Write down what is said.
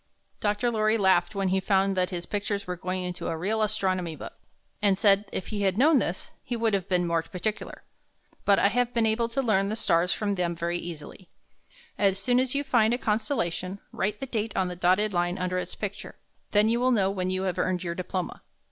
Dr. Lorry laughed when he found that his pictures were going into a real Astronomy book, and said if he had known this, he would have been more particular. But I have been able to learn the stars from them very easily. As soon as you find a constellation, write the date on the dotted line under its picture. Then you will know when you have earned your diploma.